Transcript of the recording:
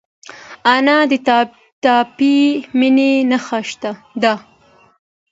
انا د تلپاتې مینې نښه ده